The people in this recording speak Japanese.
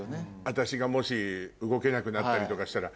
私がもし動けなくなったりとかしたら。